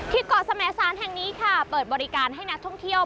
เกาะสมสารแห่งนี้ค่ะเปิดบริการให้นักท่องเที่ยว